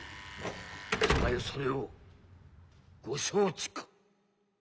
お手前それをご承知か？」。